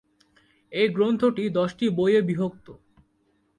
এই গ্রন্থটি দশটি বইয়ে বিভক্ত।